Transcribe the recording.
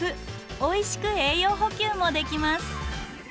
おいしく栄養補給もできます。